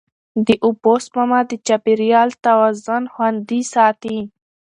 د اوبو سپما د چاپېریال توازن خوندي ساتي.